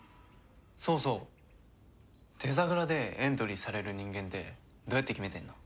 そうそうデザグラでエントリーされる人間ってどうやって決めてんの？